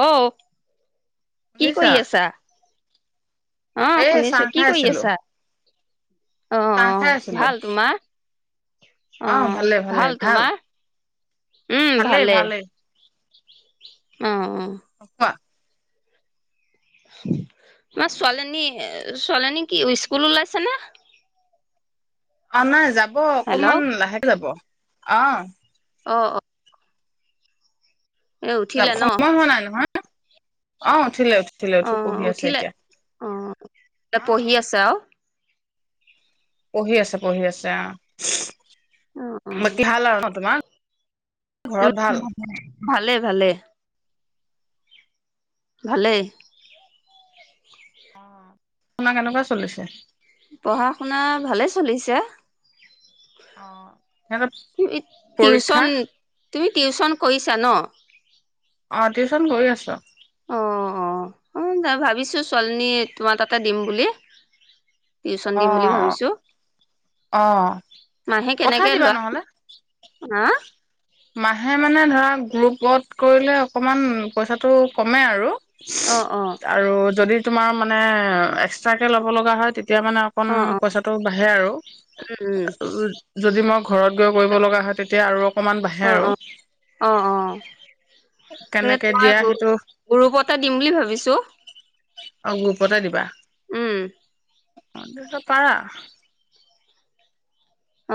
ঔঔ কি শুনিছা কৰি আছা অ এই চাহ শুনিছো কি খাই কৰি আছিলো আছা অ অ ভাল তোমাৰ আহ অ' ভালে ভালে ভাল তোমাৰ? উম ভালেই ভালে ভালেই অ অ অ মাৰ ছোৱালিজনী ছোৱালিজনী কি স্কুল ওলাইছে না অ নাই যাব [unintelligible] হব হেল্ল' অকনমান অ' লাহেকে যাব অঅ অ অ এই উঠিলে ন? সময় হোৱা নাই নহয়? অ উঠিলে। উঠিলে অ উঠি পঢ়ি আছে উঠিলে এতিয়া অ অ অ পঢ়ি আছে আৰু। পঢ়ি আছে পঢ়ি আছে আহ। বাকি ভাল আৰু ন তোমাৰ উ ঘৰত ভাল ভালে ভালে। ভালেই। পঢ়া শুনা কেনেকুৱা চলিছে। আপোনাৰ ভালে চলিছে। অ সিহঁতৰ টিউচন পৰীক্ষা তুমি টিউচন কৰিছা ন। অ টিউচন গৈ আছোঁ। অ, অ, অ ভাবিছো ছোৱালিনী তোমাৰ তাতে দিম বুলি? অ টিউচন দিম বুলি ভাবিছো। অ মাহে পঠাই কেনেকে দিবা লোৱা নহ'লে। হা মাহে মানে ধৰা গ্ৰুপত কৰিলে অকণমান পইচাটো কমে আৰু। অ', অ', আৰু যদি তোমাৰ ম। মানে এক্সটাৰ যে লব লগা হয় তেতিয়া তেতিয়া মানে অকণ অ', অ', পইচাটো বাঢ়ে আৰু উম, উম, যদি মই। ঘৰত গৈ কৰিব লগা হয় তেতিয়া আৰু অকণমান অ অ অ অ সে কেনেকে তোমাৰ দিয়া সেইটো গ্ৰুপতে দিম বুলি ভাবিছো। অ গ্ৰোপতে দিবা উম। অ পাৰা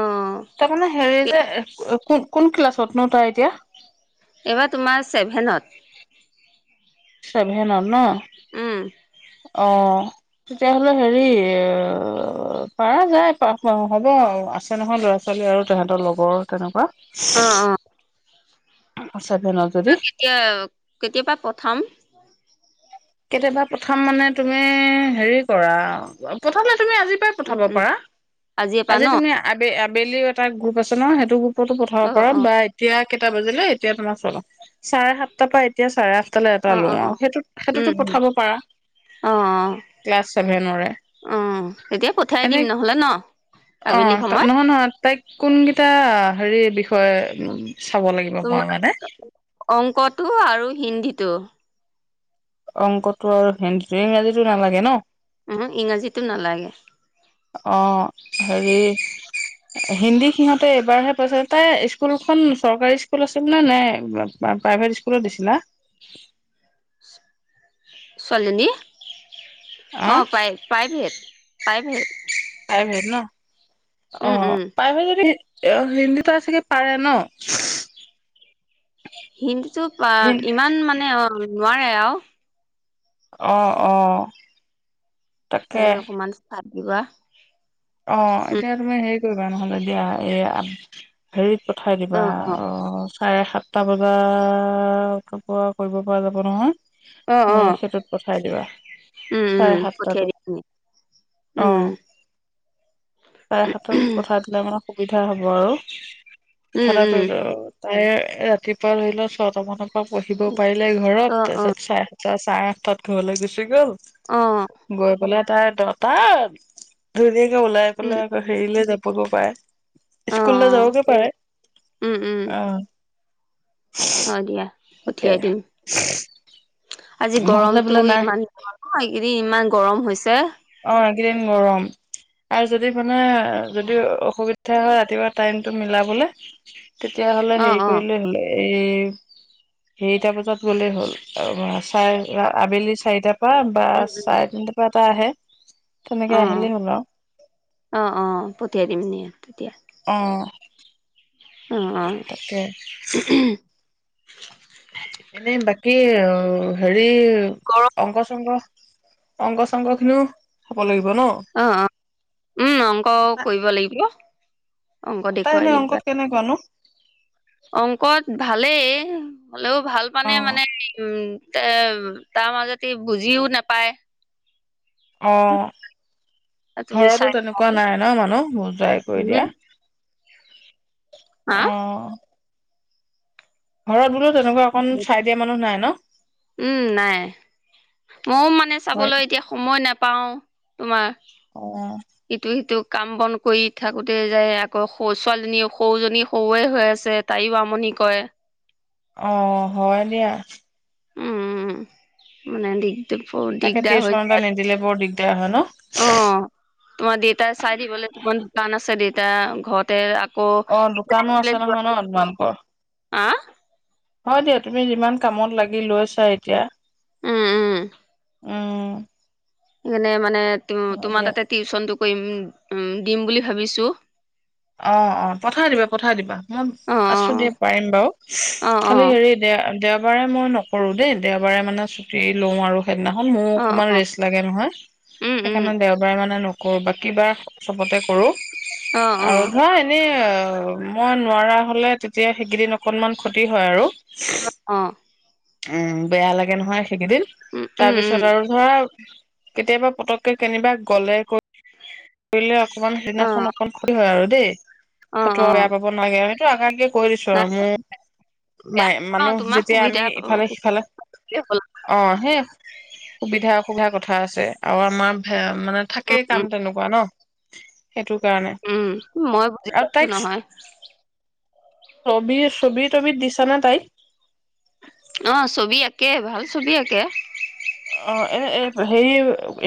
অ', তাৰ মানে হেৰি। এ কোন কোন ক্লাছতনো তাই এতিয়া। তোমাৰ ছেভেনত। চেভেনত উম, ন অ তেতিয়াাহ'লে হেৰি এ পাৰা যায় হ'ব আছে নহয় ল'ৰা ছোৱালী আৰু তহঁতৰ লগৰ তেনেকুৱা। অ', অ', [unintelligible] সচেতনত কেতিয়া কেতিয়াপা পঠাম? কেতিয়াবা প্ৰথম মানে তুমি হেৰি কৰা প্ৰথমে তুমি আজি পৰা উম, পঠাব উম, পাৰা আজিৰ পৰা ন আজি তুমি। ডেইলিও এটা গ্ৰুপ আছে ন সেইটো গ্ৰুপ ফটো পঠাব অ', পৰা অ', বা এতিয়া কেইটা বজিলৈ এতিয়া তোমাৰ চলা চাৰে সাতটাৰ পৰা এতিয়া চাৰে আঠ তালে এটা অ', লোৱা অ', সেইটোত উম, সেইটোতক উম, পঠাব পাৰা অ', অ', ক্লাছ চেভেনৰে অ', তেতিয়া পঠিয়াই এনে দিম নহ'লে ন অ আবেলি সময়ত নহয় নহয় তাইক কোনকেইটা হেৰি বিষয়ে চাব লাগিব মই মানে তোমাৰ অংকটো আৰু হিন্দী দ্ধ [unintelligible] অংকটো আৰু হিন্দীটো ইংৰাজীটো নালাগে ন উম ইংৰাজীটো নালাগে অ হেৰি হিন্দী সিহঁতে এইবাৰহে পাইছে তাই স্কুলখন চৰকাৰী স্কুল আছিলনে নে প্ৰাইভেট স্কুলত দিছিলা উ [unintelligible] ছোৱালীজনী অ অঁ প্ৰাই প্ৰাইভেট প্ৰাইভেট প্ৰাইভেট ন অ উম উম প্ৰাইভেট যদি এ হিন্দী তাই ছাগে পাৰে ন হিন্দীটো বা ইমান মানে অ নোৱাৰে আও অ অ তাকে তাই অকণমান ভাত কিবা অ এতিয়া তুমি হেৰি কৰি কিবা নহ'লে দ এই হেৰিত পঠাই দিবা অ চাৰে সাতটা বজাত পৰা কৰিব পৰা যাব নহয় অ উম অ সেইটোত পঠাই দিবা উম চাৰে উম পঠিয়াই সাতটাটোত দিম উম অ উম চাৰে সাতটা মানত পঠাই দিলে মানে সুবিধা হব আৰু উম ইফালে উম উম এ ৰাতিপুৱা বোলে ছয়টা মানত পঢ়িব পাৰিলে ঘৰত অ অ তাৰপিছত চাই ছাৰে চাৰেআঠটাত ঘৰলৈ গুচি গ'ল অ গৈ পালে তাইৰ দতাত [unintelligible] ওলাই উম পেলাই আকৌ হেৰিলে যাব। হব পাৰে। অ অ স্কুললৈ যাবগেও পাৰে। অহ। অ দিয়া পঠিয়াই দিম। আজি নহলে গৰমতো বোলে নাই ইমান নহয় এইকেইদিন। ইমান গৰম হৈছে। অ এইকেইদিন গৰম আৰু যদি মানে এ যদি অসুবিধা [unintelligible] ৰাতিপুৱা টাইমটো মিলাবলে। তেতিয়া হলে অ হেৰি অ কৰিলে [unintelligible] এই হেৰিটা বজাত গ'লেই হ'ল [unintelligible] [unintelligible] আবেলি চাৰিটাৰ পৰা বা উম চাৰে তিনটাৰ পৰা [unintelligible] তেনেকে অ' আহিলেই হ'ল আৰু অ'। অ' অ' পঠিয়াই দিম দিয়া তেতিয়া। অ' অ' অ'। তাকে এনেই বাকী উম হেৰি। এই গৰম অংক চংক অংগ চংক খিনিও হ'ব লাগিব। ন? অ' অ'। উম অংক কৰিব লাগিব। অংক তাই দেখুৱাই এনে দিবা। অংকত কেনেকুৱা নো? অংকত ভালেই। উম। হ'লেও ভাল পানে অ', মানে [unintelligible] [unintelligible] তাৰ মাজতে ই বুজিও নাপায়। অ' তুমি ঘৰতো চাই তেনেকুৱা নাই ন মানুহ বুজাই কৰি দিয়া। উম হা অ'। হে বোলোঁ তেনেকুৱা অকন চাই দিয়া মানুহ নাই ন? [inaudible] উম নাই ময়ো মানে হয়। চাবলৈ এতিয়া সময় নাপ পাওঁ তোমাৰ অ', এইটোৱে সিটোক কাম বন কৰি থাকোতে যায় আকৌ সৰু ছোৱালীজনী সৰুজনী সৰুৱে হৈ আছে তাইও আমনি কৰে। অ হয় দিয়া উম উম [unintelligible] [unintelligible] তাকে দিগদাৰ টিউচন এটা হৈছে নিদিলে বৰ দিগদাৰ হয় ন? অ তোমাৰ দেউতাই চাই দিবলৈ তোমাৰ গান আছে দেতা ঘৰতে আকৌ অ দোকানো আছে যোৱা নহয় ন তোমালোকৰ? হা হয় দিয়া তুমি যিমান কামত লাগি লৈছা এতিয়া উম উম। অ এনে মানে তো-তোমাৰ তাতে টিউচনটো কৰিম উম উম দিম বুলি ভাবিছো। অ অ পঠাই দিবা পঠাই দিবা মই অ আছো দিয়া পাৰিম বাৰু অ অ খালি হেৰি দে-দে একবাৰে মই নকৰো দেই দেওবাৰে মানে ছুটি লওঁ আৰু। সেইদিনাখন মোৰ অ অ অকণমান অ ৰেষ্ট লাগে নহয় উম উম সেইকাৰণে দেওবাৰে মানে কৰপা কিবা চবতে কৰোঁ অ অ আৰু ধৰা এনেই অ মই নোৱাৰা হ'লে তেতিয়া সেইকেইদিন অকনমান ক্ষতি হয় আৰু অ অ। উম বেয়া লাগে নহয়। সেকেইদিন উম তাৰ উম পিছত উম আৰু ধৰা কেতিয়াবা পতকে কেনিবা গ'লে কৈ কৰিলে অকমান অ সেইদিনাখন অকন [unintelligible] আৰু দেই অ অ সেইটোও বেয়া পাব নালাগে আগাগে কৈ দিছো আৰু নাই মোৰ বেয়া মাই নাপাওঁ মানুহ তোমাৰ যেতিয়া সুবিধা আমি ইফালে সিফালে হ'ল অ সেই সুবিধা অসুবিধা কথা আছে আৰু আমাৰ [unintelligible] মানে থাকেই উম কাম উম তেনেকু অ সেইটো কাৰণে উম মই বুজি আৰু পাইছো তাইক নহয় ছবি ছবি তবি দি চেনে তাই? অ ছবি আঁকে ভাল ছবি আঁকে অ এ এ হেৰি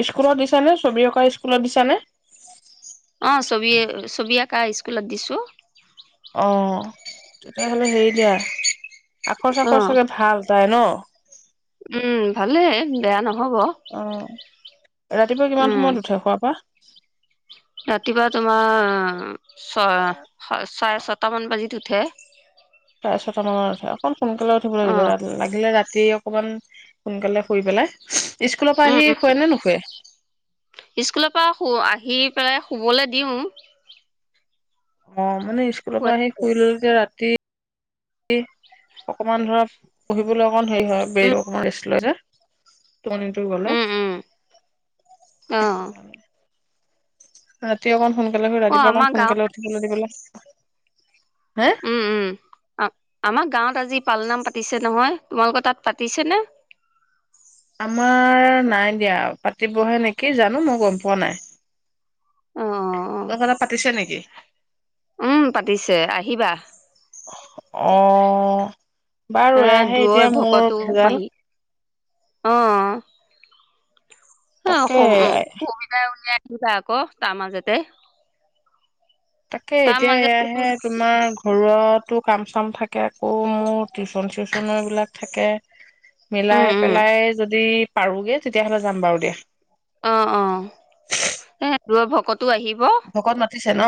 স্কুলত দিছানে ছবি অঁকা স্কুলত দিছানে? অ ছবি ছবি আঁকা স্কুলত দিছো। আহ তেতিয়াহ'লে হেৰি দিয়া। আখৰ অ চাকৰ চাগে ভাল তাই ন উম ভালে বেয়া নহয়। আহ ৰাতিপুৱা কিমান উম সময়ত উঠে শুৱাৰ পৰা। ৰাতিপুৱা তোমাৰ ছ চাৰে ছটা মান বাজিত উঠে। চাৰে ছটা মানত উঠে অকণ সোনকালে উঠিবলৈ অ লাগিব লাগিলে ৰাতি ৰাতি অকমান সোনকালে শুই পেলাই। স্কুলৰ পৰা উম আহি উম শুৱে নে নুশুৱে? স্কুলৰ পৰা শু আহি পেলাই শুবলৈ দিওঁ। অ মানে স্কুলৰ পৰা আহি শুই ললে যে ৰাতি তে অকমান ধৰা পঢ়িবলৈ। অকণ হেৰি হয় ব অকমান ৰেষ্ট যে টোপনিটো গলে উম উম অ ৰাতি অকণ। সোনকালে হৈ অ ৰাতিপুৱাকণ আমাৰ গাঁৱত সোনকালে উঠিবলৈ দিবলৈ। উম, উম আমাৰ গাঁৱত আজি পালনাম পাতিছে নহয় তোমালোকৰ তাত পাতিছেনে? আমাৰ নাই দিয়া পাতিবহে নেকি জানো মই গম পোৱা নাই? অ তহঁতৰ তাত পাতিছে নেকি? উম পাতিছে আহিবা। অ বাৰু আহ এয়াহে এতিয়া মোৰ ভেজাল। অহ অ তাকে সু-সুবিধা উলিয়াই দুটা আকৌ তাৰ মাজতে তাকে তাৰ এতিয়া মাজতে এয়াহে তোমাৰ ঘৰত টো কাম চাম থাকে আকৌ মোৰ টিউচন চিউচনো এই বিলাক থাকে। উম মিলাই উম পেলাই যদি। পাৰোগে তেতিয়াহ'লে যাম বাৰু দিয়া। অ অ সেইটোৱ ভকত তটো আহিব ভকত মাতিছে ন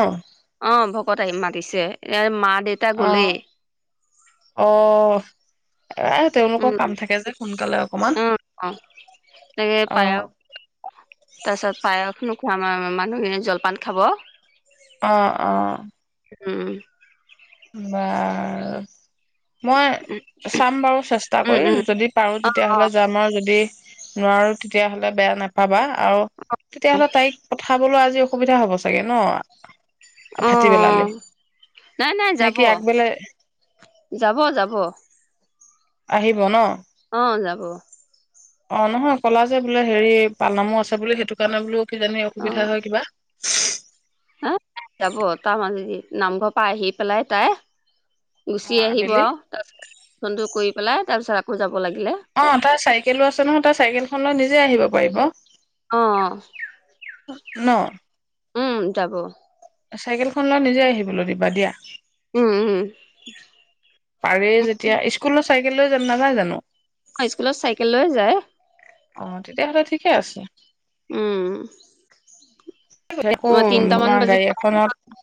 অ ভকত আহি মাতিছে মা দেউতা অ গলেই। অ' এ তেওঁলোকৰ উম কাম থাকে যে সোনকালে অকমান উম অ তাকে পায়স আহ। আমাৰ মা-মানুহখনে জলপান খাব। অ, অ উম ব মই চাম বাৰু চেষ্টা উম কৰি উম যদি পাৰো তেতিয়াাহ'লে যাম আৰু যদি নোৱাৰো তেতিয়াাহ'লে বেয়া নাপাবা। আৰু তেতিয়াহ'লে তাইক পঠাবলৈ আজি অসুবিধা হ'ব চাগে ন অ ভাটিপেলালে। নাই নাই যাব, যাব যাব। আহিব ন অ যাব অ নহয় কলা যে বোলে হেৰি পাল নামো আছে বোলে সেইটো কাৰণে বোলো কিজানি অ অসুবিধা হয় কিবা হা যাব [unintelligible] নামঘৰ পৰা আহি পেলাই তাই অ গুচি আহিব আবেলি আৰু তাৰপিছত ফোনটো কৰি পেলাই তাৰ পিছত বুজাব লাগিলে অ তাৰ চাইকেলো আছে নহয় তাৰ চাইকেলখন লৈ নিজে আহিব পাৰিব। অ ন? উম যাব চাইকেলখন লৈ নিজে আহিবলৈ দিবা দিয়া। উম উম পাৰে যেতিয়া ইস্কুলো চাই গৈ যাম নাই জানো অ স্কুলত চাইকেল লৈ যায়। অ তেতিয়াহলে ঠিকে আছে। উম তিনটামান তোমাৰ বাজিত গাড়ী পাই। এখনত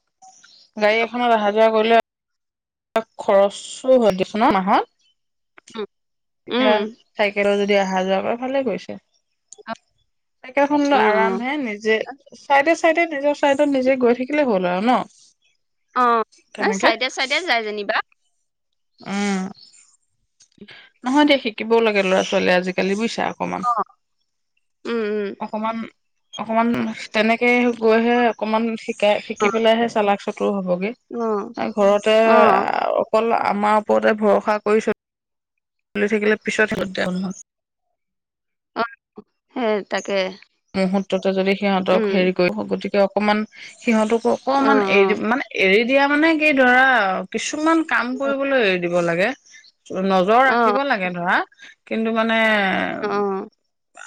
গাড়ী এখনত অহা যোৱা কৰিলে খৰচো হয় দিচোন ন মাহত। এতিয়া উম চাইকেলৰ যদি আহ হাজাৰবা ফালে গৈছে। শুনো উম উম আৰামহে নিজে চাইতে চাইডে নিজৰ চাইডত নিজে গৈ থাকিলে হ'ল আৰু ন অ চাইডে চাইডে যায় যেনিবা অ নহয় দিয়া শিকিবও লাগে ল'ৰা ছোৱালীয়ে আজিকালি বুইছা। অকমান, অ উম অকমান, অকমান তেনেকে গৈহে অকমানিক শিকা শিকি পেলাইহে চালাক চতুৰ হবগে উম ঘৰতে অ অ অকল আমাৰ ওপৰতে ভৰসা কৰি চল তুলি থাকিলে পিছত হে উঠে অনুভৱ। হে তাকে সত্ৰত তই যদি সিহঁতক উম হেৰি কৰি গতিকে অকণমান সিহঁতকো অ অকণমান এৰি অ দি মানে এৰি এতিয়া মানে কি ধৰা কিছুমান কাম কৰিবলৈ দিব লাগে নজৰ অ ৰাখিব লাগে ধৰা কিন্তু মানে অ হমম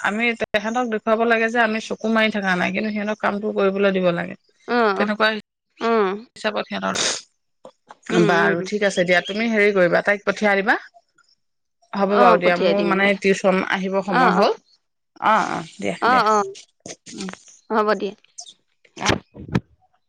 আমি তেখেতক [unintelligible] বোৱাব লাগে যে আমি চকু মাৰি থকা নাই কিন্তুিহঁক কামটো কৰিবলৈ দিব লাগে অ অ অ তেনেকুৱা উম হিচাপত সে ন উম [unintelligible] বাৰু উম ঠিক আছে দিয়া। তুমি হেৰি কৰিবা তাইক পঠিয়াই দিবা হ'ব অ বাৰু দিয়া পঠিয়াই মোৰ দিম মানে দিয়া টিউচন আহিব অ সময় অ হ'ল। অ-অ দে দে মম কে অ